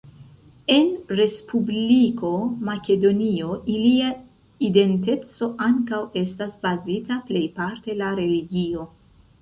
En Respubliko Makedonio ilia identeco ankaŭ estas bazita plejparte la religio.